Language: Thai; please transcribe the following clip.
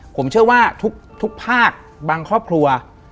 ผมเชื่อว่าทุกภาคบางครอบครัว